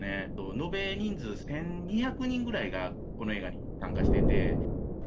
延べ人数１２００人ぐらいが、この映画に参加していて。